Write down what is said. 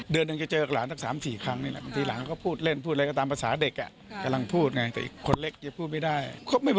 เดี๋ยวเขามาขอหวยอีก